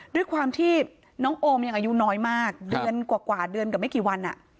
ด้วยความที่น้องโอมยังอายุน้อยมากเดือนกว่าเดือนกับไม่กี่วัน